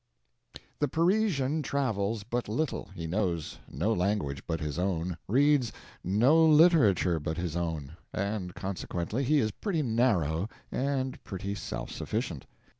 ] The Parisian travels but little, he knows no language but his own, reads no literature but his own, and consequently he is pretty narrow and pretty self sufficient.